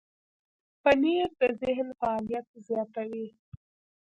پنېر د ذهن فعالیت زیاتوي.